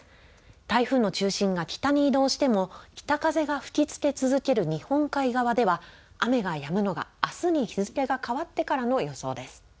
台風の中心が北に移動しても、北風が吹きつけ続ける日本海側では、雨がやむのが、あすに日付が変わってからの予想です。